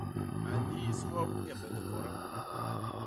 A nniis hop ñgembe likoda.